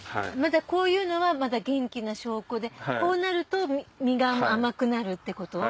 こういうのはまだ元気な証拠でこうなると実が甘くなるってことですか？